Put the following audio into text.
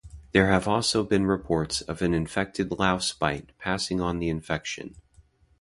There have also been reports of an infected louse bite passing on the infection.